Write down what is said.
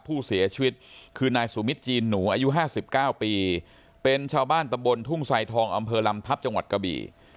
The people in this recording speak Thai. ผู้เสียชีวิตคือนายสุมิทจีนหนูอายุ๕๙ปีเป็นชาวบ้านตะบนทุ่งไซทองอำเภอลำทัพจังหวัดกะบี่